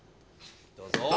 どうぞ。